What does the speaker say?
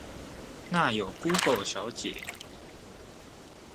那有估狗小姐